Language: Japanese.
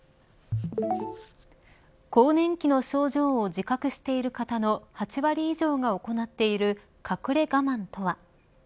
更年期の症状を自覚している方の８割以上が行っている隠れ我慢とは。